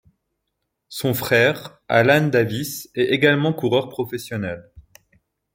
Son frère, Allan Davis est également coureur professionnel.